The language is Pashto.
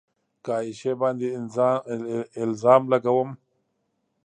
که عایشې باندې الزام لګوم